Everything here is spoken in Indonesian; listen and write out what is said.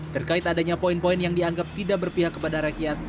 terkait adanya poin poin yang dianggap tidak berpihak kepada rakyat